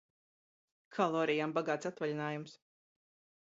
Kalorijām bagāts atvaļinājums...